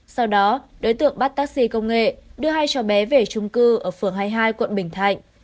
sau đó đối tượng bắt taxi công nghệ đưa hai trò bé về trung cư ở phường hai mươi hai quận bình thạnh